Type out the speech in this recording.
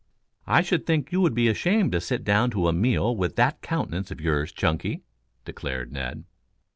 "I should think you would be ashamed to sit down to a meal with that countenance of yours, Chunky," declared Ned.